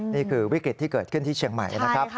นี่คือวิกฤตที่เกิดขึ้นที่เชียงใหม่นะครับ